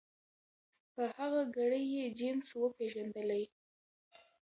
په هغه ګړي یې جنس وو پیژندلی